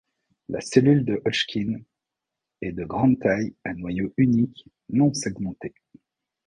La cellule de Hodgkin est de grande taille à noyau unique non segmenté.